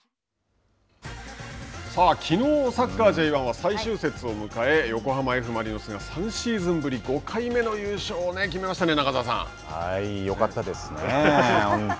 さあ、きのう、サッカーＪ１は最終節を迎え、横浜Ｆ・マリノスが３シーズンぶり５回目の優勝を決めましたね。